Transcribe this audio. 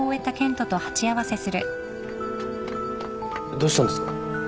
・どうしたんですか？